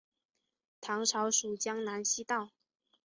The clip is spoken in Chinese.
唐朝属江南西道。